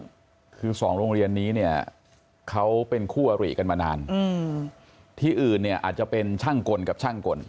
คือ๒โรงเรียนนี้เขาเป็นคู่อรี่กันมานานที่อื่นอาจจะเป็นช่างกลกับช่างกล